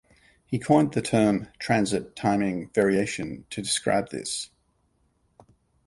He coined the term transit timing variation to describe this.